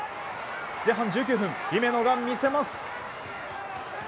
前半１９分、姫野がみせます。